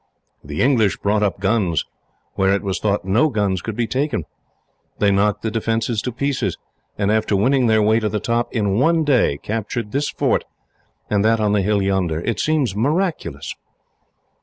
The English brought up guns, where it was thought no guns could be taken. They knocked the defences to pieces; and, after winning their way to the top, in one day captured this fort, and that on the hill yonder. It seems miraculous."